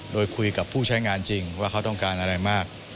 โดยคุยกับผู้ใช้งานจริงว่าเขาต้องการอะไรมาก